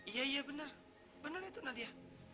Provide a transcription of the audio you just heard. iya iya benar benar itu nadia